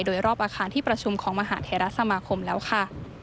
โดยรอบอาคารที่ประชุมของมหาเทราสมาคมแล้วค่ะ